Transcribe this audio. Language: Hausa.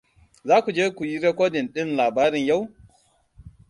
Za ku je ku yi rikodin ɗin labarin yau?